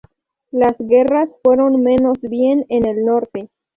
Las guerras fueron menos bien en el norte.